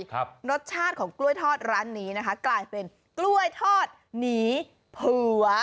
ครับรสชาติของกล้วยทอดร้านนี้นะคะกลายเป็นกล้วยทอดหนีผัว